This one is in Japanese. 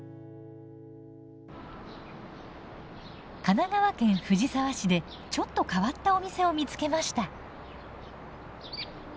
神奈川県藤沢市でちょっと変わったお店を見つけました。